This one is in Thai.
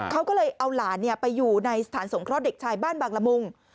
เขาก็เลยเอาหลานไปอยู่ในสถานสงเคราะห์เด็กชายบ้านบางละมุง